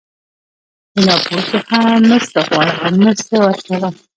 د ناپوه څخه مه څه غواړه او مه څه ورکوه.